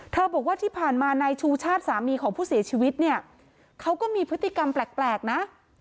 บอกว่าที่ผ่านมานายชูชาติสามีของผู้เสียชีวิตเนี่ยเขาก็มีพฤติกรรมแปลกนะ